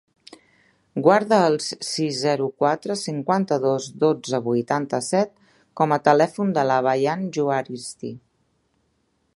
Guarda el sis, zero, quatre, cinquanta-dos, dotze, vuitanta-set com a telèfon de la Bayan Juaristi.